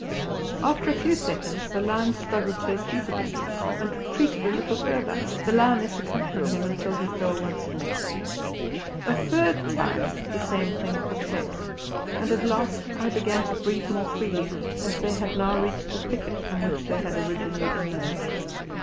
After a few seconds the lion struggled to his feet again and retreated a little further, the lioness accompanying him until he fell once more. A third time the same thing took place, and at last I began to breathe more freely, as they had now reached the thicket from which they had originally emerged.